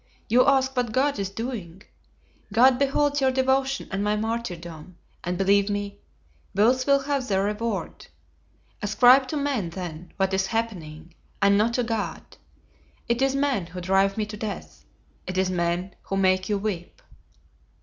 You ask what God is doing. God beholds your devotion and my martyrdom, and believe me, both will have their reward. Ascribe to men, then, what is happening, and not to God. It is men who drive me to death; it is men who make you weep."